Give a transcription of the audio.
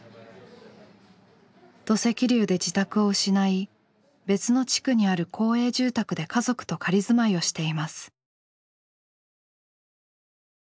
土石流で自宅を失い別の地区にある公営住宅で家族と仮住まいをしています。